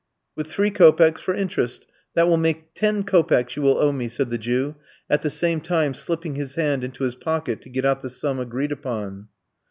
"With three kopecks for interest; that will make ten kopecks you will owe me," said the Jew, at the same time slipping his hand into his pocket to get out the sum agreed upon.